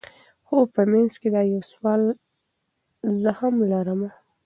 خو په منځ کي دا یو سوال زه هم لرمه